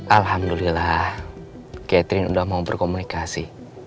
alhamdulillah catherine udah mau berkomunikasi